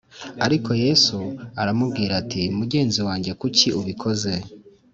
ariko Yesu s aramubwira ati mugenzi wanjye kuki ubikoze